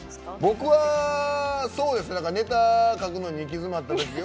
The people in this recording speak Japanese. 僕は、ネタ書くのに行き詰まったときは。